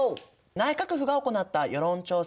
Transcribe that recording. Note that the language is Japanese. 内閣府が行った世論調査。